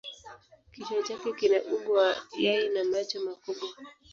Kichwa chake kina umbo wa yai na macho makubwa.